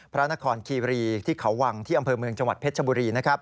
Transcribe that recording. พระนครคีบรีที่เขาวังที่อำเภอเมืองจังหวัดเพชรชบุรีนะครับ